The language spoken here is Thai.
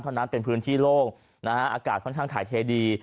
เท่านั้นเป็นพื้นที่โลกอากาศค่อนข้างขายเทดี